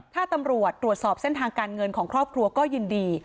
ถ้าตำรวจตรวจสอบเส้นทางการเงินของครอบครัวก็ยินดี